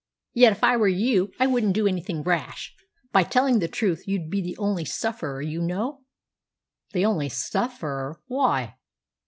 Yet if I were you I wouldn't do anything rash. By telling the truth you'd be the only sufferer, you know." "The only sufferer! Why?"